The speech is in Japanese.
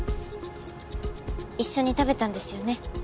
一緒に食べたんですよね？